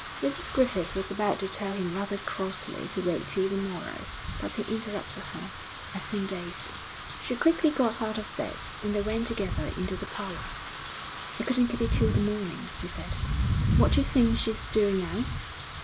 Mrs Griffith was about to tell him rather crossly to wait till the morrow, but he interrupted her, 'I've seen Daisy.' She quickly got out of bed, and they went together into the parlour. 'I couldn't keep it till the morning,' he said.... 'What d'you think she's doing now?